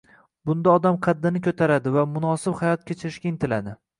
bunda odam qaddini ko‘taradi va munosib hayot kechirishga intiladi.